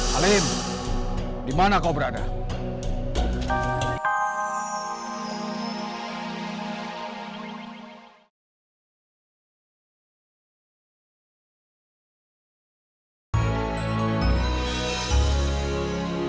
halim dimana kau berada